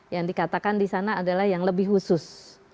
yang dikatakan di sana adalah yang lebih khusus